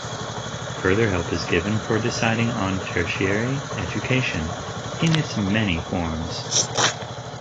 Further help is given for deciding on tertiary education in its many forms.